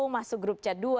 masuk grup chat dua